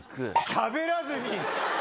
しゃべらずに。